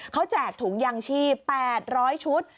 เขาแจกถุงยางชีพ๘๐๐ชุด